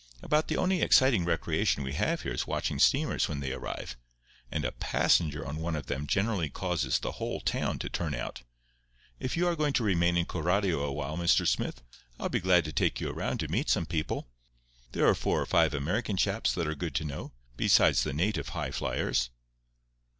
About the only exciting recreation we have here is watching steamers when they arrive; and a passenger on one of them generally causes the whole town to turn out. If you are going to remain in Coralio a while, Mr. Smith, I'll be glad to take you around to meet some people. There are four or five American chaps that are good to know, besides the native high fliers."